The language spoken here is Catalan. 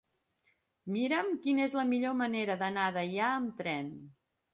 Mira'm quina és la millor manera d'anar a Deià amb tren.